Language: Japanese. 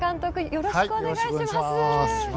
よろしくお願いします。